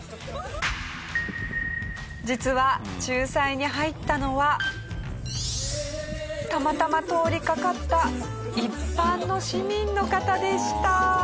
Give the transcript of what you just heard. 実は仲裁に入ったのはたまたま通りかかった一般の市民の方でした。